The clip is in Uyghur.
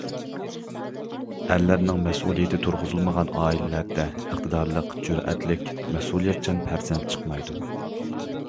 ئەرلەرنىڭ مەسئۇلىيىتى تۇرغۇزۇلمىغان ئائىلىلەردە ئىقتىدارلىق، جۈرئەتلىك، مەسئۇلىيەتچان پەرزەنت چىقمايدۇ.